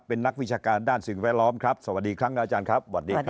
เป็นนักวิชาการด้านสิ่งแวดล้อมครับสวัสดีครับอาจารย์ครับสวัสดีครับ